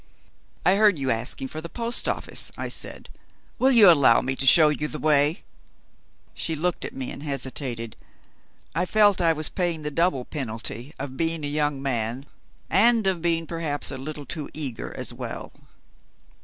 "I heard you asking for the post office," I said. "Will you allow me to show you the way?" She looked at me, and hesitated. I felt that I was paying the double penalty of being a young man, and of being perhaps a little too eager as well.